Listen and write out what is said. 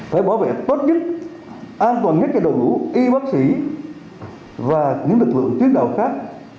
phải bảo vệ tốt nhất an toàn nhất cho đội ngũ y bác sĩ và những lực lượng tuyến đầu khác